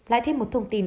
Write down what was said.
lại thêm một thông tin